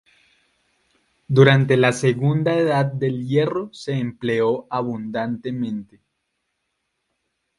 Durante la segunda Edad del Hierro se empleó abundantemente.